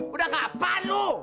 udah kapan lu